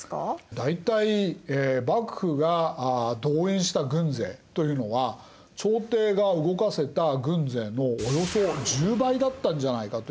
大体幕府が動員した軍勢というのは朝廷が動かせた軍勢のおよそ１０倍だったんじゃないかというふうに。